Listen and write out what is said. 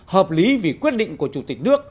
hợp lý vì quyết định của chủ tịch nước